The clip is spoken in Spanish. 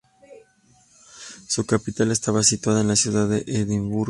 Su capital estaba situada en la ciudad de Edimburgo.